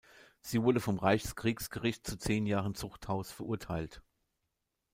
Sie wurde vom Reichskriegsgericht zu zehn Jahren Zuchthaus verurteilt.